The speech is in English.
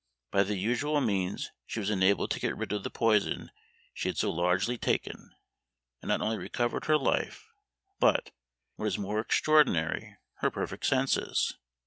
By the usual means she was enabled to get rid of the poison she had so largely taken, and not only recovered her life, but, what is more extraordinary, her perfect senses!